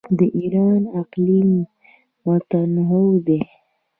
د ایران اقلیم متنوع دی.